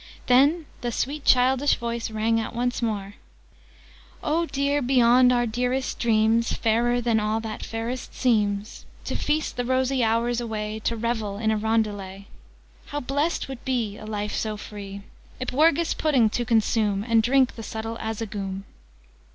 Then the sweet childish voice rang out once more: "Oh, dear beyond our dearest dreams, Fairer than all that fairest seems! To feast the rosy hours away, To revel in a roundelay! How blest would be A life so free Ipwergis Pudding to consume, And drink the subtle Azzigoom!